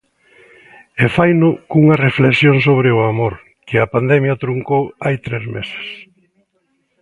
E faino cunha reflexión sobre o amor, que a pandemia truncou hai tres meses.